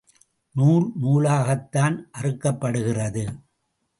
நூல் நூலாகத்தான் அறுக்கப்படுகிறது.